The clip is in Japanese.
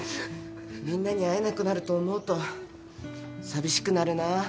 みんなに会えなくなると思うと寂しくなるなぁ。